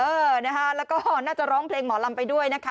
เออนะคะแล้วก็น่าจะร้องเพลงหมอลำไปด้วยนะคะ